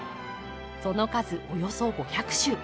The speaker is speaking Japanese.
その数およそ５００種。